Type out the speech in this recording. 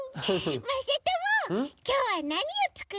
まさともきょうはなにをつくるの？